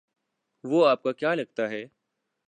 وہ آپ کا کیا لگتا ہے؟